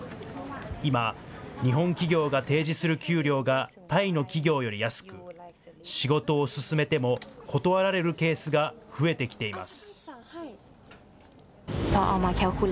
今、日本企業が提示する給料がタイの企業より安く、仕事を勧めても断られるケースが増えてきています。